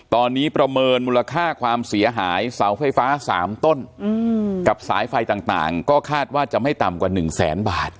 ตอนนี้ประเมินมูลค่าความเสียหายเสาไฟฟ้า๓ต้นกับสายไฟต่างก็คาดว่าจะไม่ต่ำกว่า๑แสนบาท